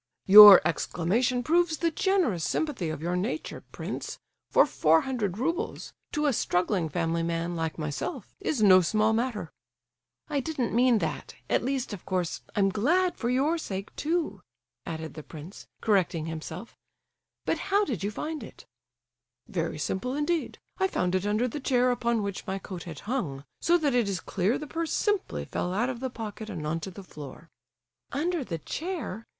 "Your exclamation proves the generous sympathy of your nature, prince; for four hundred roubles—to a struggling family man like myself—is no small matter!" "I didn't mean that; at least, of course, I'm glad for your sake, too," added the prince, correcting himself, "but—how did you find it?" "Very simply indeed! I found it under the chair upon which my coat had hung; so that it is clear the purse simply fell out of the pocket and on to the floor!" "Under the chair?